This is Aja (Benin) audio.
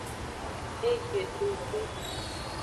E gbe to ke.